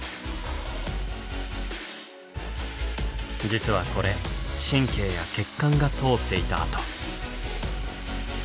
実はこれ神経や血管が通っていた跡。